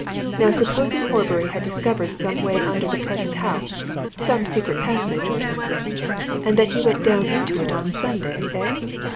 Now, supposing Horbury had discovered some way under the present house, some secret passage or something, and that he went down into it on Sunday eh?